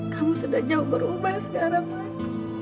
kamu sudah jauh berubah sekarang mas